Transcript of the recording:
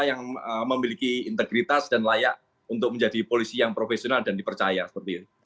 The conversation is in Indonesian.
yang memiliki integritas dan layak untuk menjadi polisi yang profesional dan dipercaya seperti itu